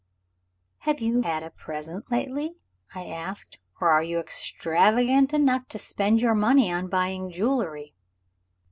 "Have you had a present lately," I asked, "or are you extravagant enough to spend your money on buying jewelry?"